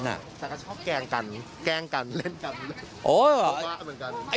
แต่ก็ชอบแกล้งกันแกล้งกันเล่นกัน